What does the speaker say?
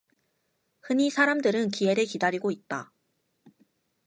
흔히 사람들은 기회를 기다리고 있다.